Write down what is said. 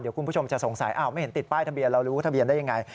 คุณผู้ชมจะสงสัยไม่เห็นติดป้ายทะเบียนเรารู้ทะเบียนได้ยังไง